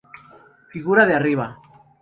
Figura de arriba.